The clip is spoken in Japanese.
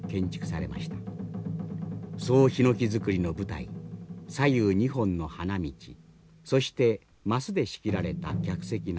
総ひのき造りの舞台左右２本の花道そして升で仕切られた客席など